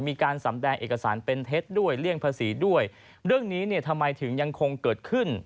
มีการสำแดงเอกสารเป็นเท็จด้วยเลี่ยงภาษีด้วยเรื่องนี้เนี่ยทำไมถึงยังคงเกิดขึ้น